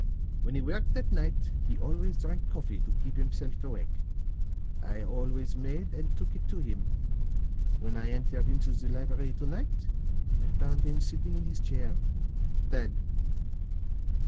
"When he worked at night, he always drank coffee to keep himself awake. I always made and took it to him. When I went into the library to night, I found him sitting in his chair dead."